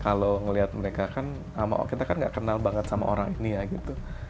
kalau ngeliat mereka kan sama kita kan gak kenal banget sama orang ini ya gitu